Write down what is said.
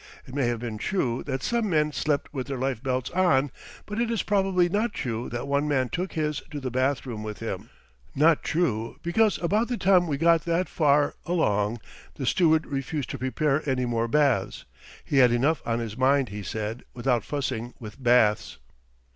It may have been true that some men slept with their life belts on, but it is probably not true that one man took his to the bathroom with him not true because about the time we got that far along the steward refused to prepare any more baths. He had enough on his mind, he said, without fussing with baths.